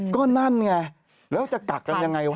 ก็นั่นไงแล้วจะกักกันยังไงวะ